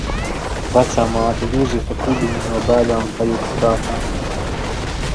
Vecāmāte Juzefa Kudiņa no bēdām sajuka prātā.